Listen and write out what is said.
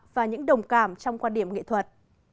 và những đồng cảm trong quan điểm nghệ thuật